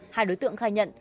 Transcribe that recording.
hai đối tượng khai nhận